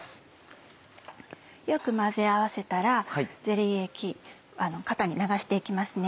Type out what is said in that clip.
よく混ぜ合わせたらゼリー液型に流して行きます。